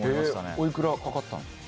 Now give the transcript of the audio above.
おいくらかかったんですか？